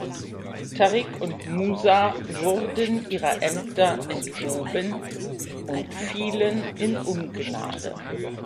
Tariq und Musa wurden ihrer Ämter enthoben und fielen in Ungnade.